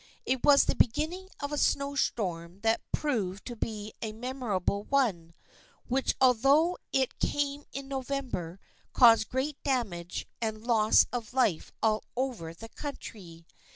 It was the beginning of a snow storm that proved to be a memorable one, which although it came in November caused great damage and loss of life all over the country.